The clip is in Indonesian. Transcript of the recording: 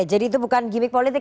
jadi itu bukan gimmick politik